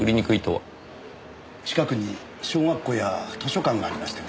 近くに小学校や図書館がありましてね。